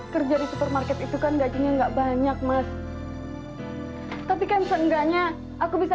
kerja di supermarket itu kan gajinya enggak banyak mas tapi kan seenggaknya aku bisa